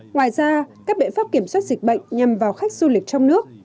ngoài ra các biện pháp kiểm soát dịch bệnh nhằm vào khách du lịch trong nước